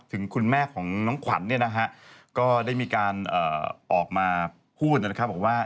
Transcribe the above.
ถึงคุณแม่ของน้องขวัญเนี่ยนะฮะก็ได้มีการออกมาพูดนะครับบอกว่า